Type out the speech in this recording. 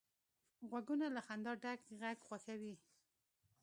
غوږونه له خندا ډک غږ خوښوي